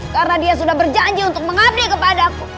karena dia sudah berjanji untuk mengabdi kepadaku